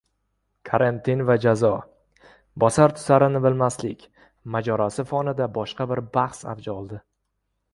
Karantin va jazo: «bosar-tusarini bilmaslik» mojarosi fonida boshqa bir bahs avj oldi